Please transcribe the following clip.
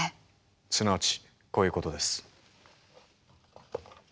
すなわちこういうことです。